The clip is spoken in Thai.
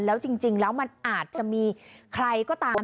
แล้วจริงแล้วมันอาจจะมีใครก็ตาม